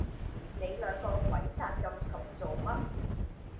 你兩個鬼殺咁嘈做乜